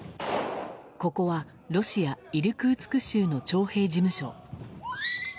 ここはロシアイルクーツク州の徴兵事務所。